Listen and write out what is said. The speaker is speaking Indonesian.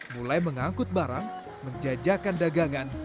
mulai mengangkut barang menjajakan dagangan